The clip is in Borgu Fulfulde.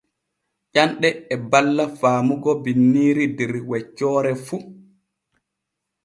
Ƴanɗe e balla faamugo binniiri der weccoore fu.